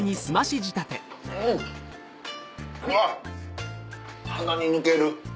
うん。あっ鼻に抜ける。